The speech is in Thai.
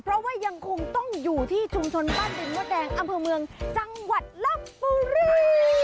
เพราะว่ายังคงต้องอยู่ที่ชุมชนบ้านดินมดแดงอำเภอเมืองจังหวัดลบบุรี